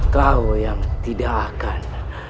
kau yang tidak akan